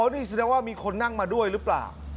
นี่แสดงว่ามีคนนั่งมาด้วยหรือเปล่า